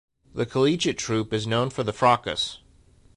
The collegiate troupe is known for the Fracas!